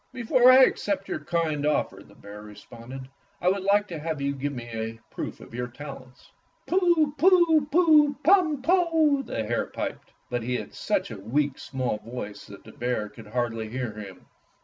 "Before I accept your kind oflFer," the bear responded, "I would like to have you give me a proof of your talents." "Pu, pu, pu, pum, poh!" the hare piped. But he had such a weak, small voice that the bear could hardly hear him.